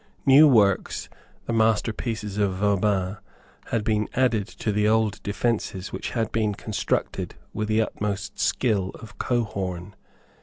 New works, the masterpieces of Vauban, had been added to the old defences which had been constructed with the utmost skill of Cohorn.